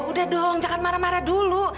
udah dong jangan marah marah dulu